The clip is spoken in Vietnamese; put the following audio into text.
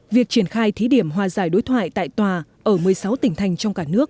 việc triển khai thí điểm hòa giải đối thoại tại tòa ở một mươi sáu tỉnh thành trong cả nước